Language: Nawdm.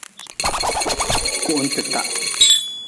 Kuhuntita.